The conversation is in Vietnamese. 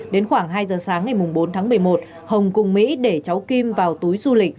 đến khoảng hai giờ sáng ngày bốn tháng một mươi một hồng cùng mỹ để cháu kim vào túi du lịch